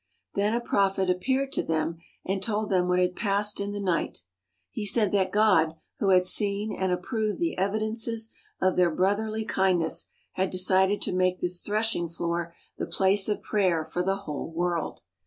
Then a prophet appeared to them and told them what had passed in the night. He said that God, who had seen and approved the evidences of their brotherly kindness, had decided to make this threshing floor the place of prayer for the whole world.